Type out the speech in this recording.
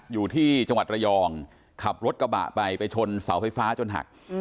อยู่ที่จังหวัดระยองขับรถกระบะไปไปชนเสาไฟฟ้าจนหัก